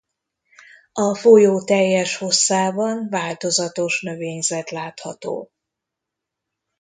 A folyó teljes hosszában változatos növényzet látható.